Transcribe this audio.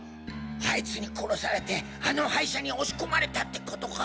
あいつに殺されてあの廃車に押し込まれたってことか？